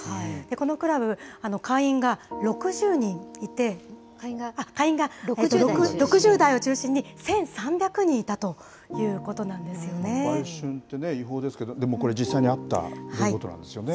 このクラブ、会員が６０代を中心に１３００人いたということなん売春ってね、違法ですけど、でもこれ、実際にあった出来事なんですよね。